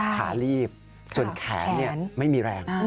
ขาลีบส่วนแขนไม่มีแรง